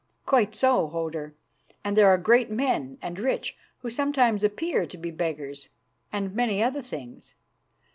"Quite so, Hodur, and there are great men and rich who sometimes appear to be beggars, and many other things.